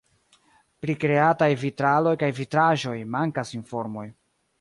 Pri kreataj vitraloj kaj vitraĵoj mankas informoj.